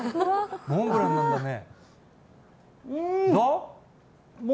モンブランなんだね。